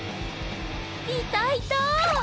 いたいた！